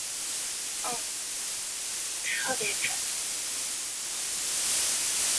这期间丘吉尔几乎每周都亲自到被炸现场视察。